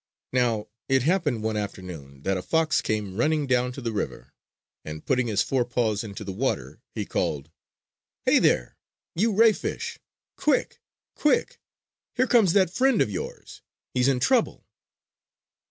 Now, it happened one afternoon that a fox came running down to the river; and putting his forepaws into the water he called: "Hey there, you ray fish! Quick! Quick! Here comes that friend of yours! He's in trouble!"